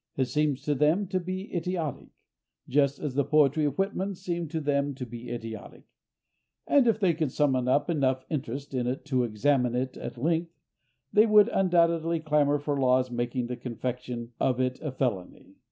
It seems to them to be idiotic, just as the poetry of Whitman seemed to them to be idiotic, and if they could summon up enough interest in it to examine it at length they would undoubtedly clamor for laws making the confection of it a felony.